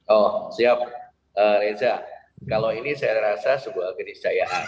oh siap risa kalau ini saya rasa sebuah kenis cayaan